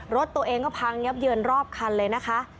รถตัวเองก็พังเนี่ยวฮี่เยือนรอบคันเลยนะคะ